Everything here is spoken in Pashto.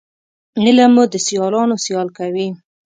علم مو د سیالانو سیال کوي